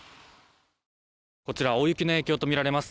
こちら、大雪の影響とみられます